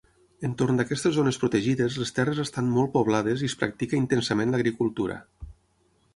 Entorn d'aquestes zones protegides, les terres estan molt poblades i es practica intensament l'agricultura.